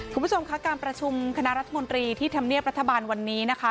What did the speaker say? คุณผู้ชมค่ะการประชุมคณะรัฐมนตรีที่ธรรมเนียบรัฐบาลวันนี้นะคะ